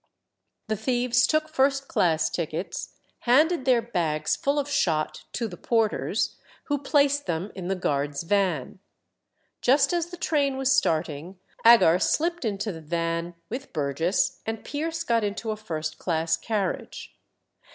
The thieves took first class tickets, handed their bags full of shot to the porters, who placed them in the guard's van. Just as the train was starting Agar slipped into the van with Burgess, and Pierce got into a first class carriage.